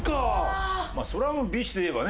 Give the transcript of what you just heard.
それはもうＢｉＳＨといえばね